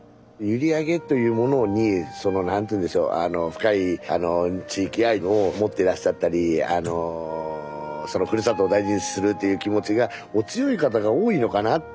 閖上というものにその何ていうんでしょう深い地域愛を持ってらっしゃったりふるさとを大事にするっていう気持ちがお強い方が多いのかな。